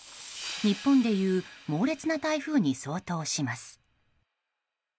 日本でいう猛烈な台風に相当します。